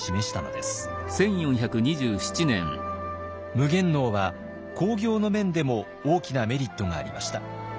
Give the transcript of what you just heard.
夢幻能は興業の面でも大きなメリットがありました。